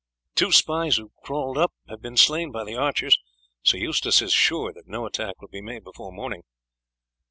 Two spies who crawled up have been slain by the archers. Sir Eustace is sure that no attack will be made before morning."